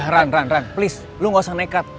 ran ran ran please lu gak usah nekat